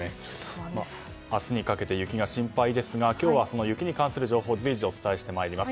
明日にかけて雪が心配ですが今日はその雪に関する情報を随時お伝えしてまいります。